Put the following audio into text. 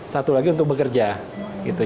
satu lagi untuk bekerja gitu